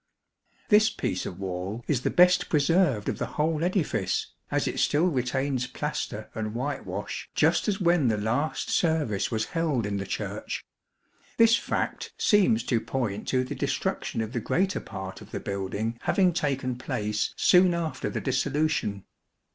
This piece of wall is the best preserved of the whole edifice, as it still retains plaster and whitewash just as when the last service was held in the Church. This fact seems to point to the destruction of the greater part of the building having taken place soon after the Dissolution.